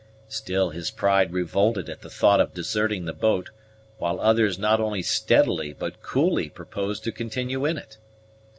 Still his pride revolted at the thought of deserting the boat, while others not only steadily, but coolly, proposed to continue in it.